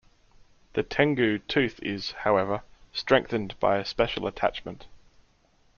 The tengu tooth is, however, strengthened by a special attachment.